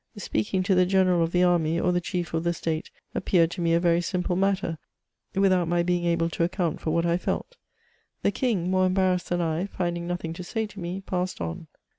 Speaking to the general of the army, or the chief of the state, appeared to me a very simple matter, with out my being able to account for what I felt. The king, more embarrassed than I, finding nothing to say to me, passed on.